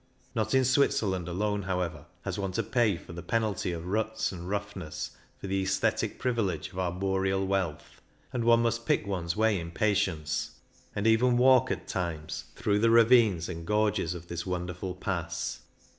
Not in Switzerland alone, how ever, has one to pay the penalty of ruts and roughness for the aesthetic privilege of arboreal wealth, and one must pick one's way in patience, and even walk at 3 PQ < X H o THE ALBULA 75 times, through the ravines and gorges of this wonderful Pass.